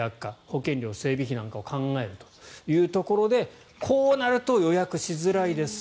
保険料や整備費なんかを考えるとというところでこうなると予約しづらいです。